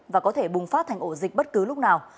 và có thể bùng phát thành ổ dịch bất cứ lúc nào